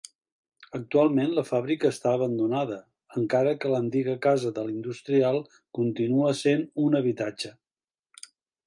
Actualment la fàbrica està abandonada encara que l'antiga casa de l'industrial continua essent un habitatge.